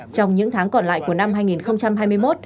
trong những tháng còn lại của năm hai nghìn hai mươi một